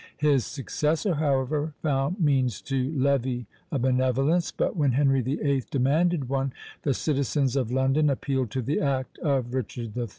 His successor, however, found means to levy "a benevolence;" but when Henry VIII. demanded one, the citizens of London appealed to the act of Richard III.